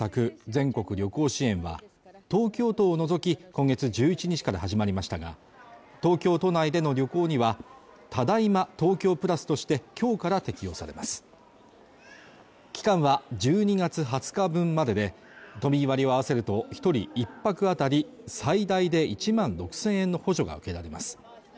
全国旅行支援は東京都を除き今月１１日から始まりましたが東京都内での旅行にはただいま東京プラスとして今日から適用されます期間は１２月２０日分までで都民割を合わせると一人１泊当たり最大で１万６０００円の補助が受けられます